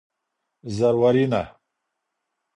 زرورینه